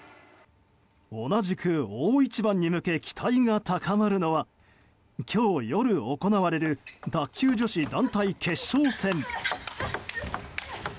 同じく大一番に向け期待が高まるのは今日夜行われる卓球女子団体決勝戦。